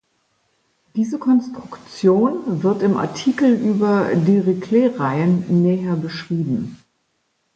Diese Konstruktion wird im Artikel über Dirichletreihen näher beschrieben.